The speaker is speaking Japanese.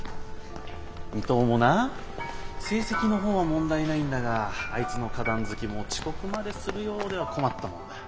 伊藤もな成績の方は問題ないんだがあいつの花壇好きも遅刻までするようでは困ったもんだ。